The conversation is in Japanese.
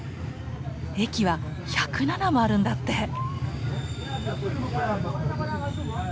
駅は１０７もあるんだって！